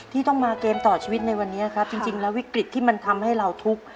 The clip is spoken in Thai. ที่ต้องมาเกมต่อชีวิตในวันนี้ครับจริงแล้ววิกฤตที่มันทำให้เราทุกข์